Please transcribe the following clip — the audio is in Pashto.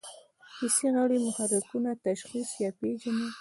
حسي غړي محرکونه تشخیص یا پېژني.